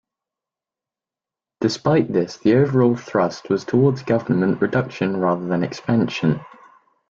Despite this, the overall thrust was towards government reduction rather than expansion.